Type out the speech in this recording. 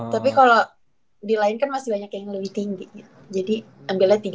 tapi kalo di lain kan masih banyak yang lebih tinggi jadi ambilnya tiga puluh empat aja